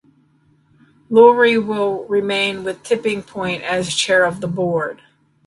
Lurie will remain with Tipping Point as chair of the board.